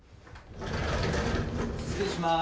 失礼します。